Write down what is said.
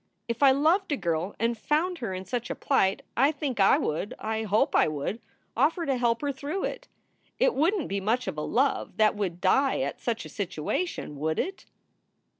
If I loved a girl and found her in such a plight, I think I would I hope I would offer to help her through it. It wouldn t be much of a love that would die at such a situation, would it?"